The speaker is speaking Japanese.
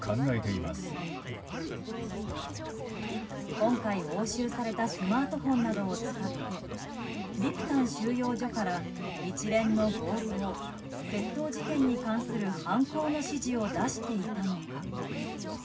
今回押収されたスマートフォンなどを使ってビクタン収容所から一連の強盗・窃盗事件に関する犯行の指示を出していたのか。